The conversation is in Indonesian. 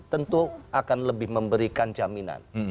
tentu akan lebih memberikan jaminan